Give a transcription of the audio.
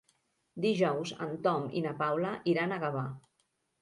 Dijous en Tom i na Paula iran a Gavà.